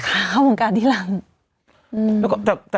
แต่เค้าวงการที่หลัง